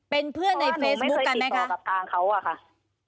เป็นเพื่อนในเฟซบุ๊คกันไหมคะเพราะว่าหนูไม่เคยติดต่อกับกลางเขาอ่ะค่ะ